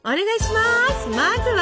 まずは？